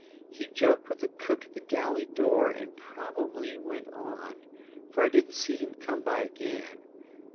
He joked with the cook at the galley door, and probably went on, for I didn't see him come by again.